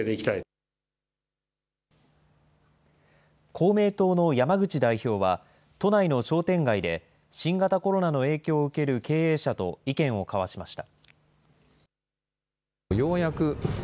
公明党の山口代表は、都内の商店街で新型コロナの影響を受ける経営者と意見を交わしました。